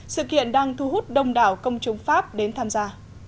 sự kiện đang thu hút đông đảo công chúng pháp đến tham gia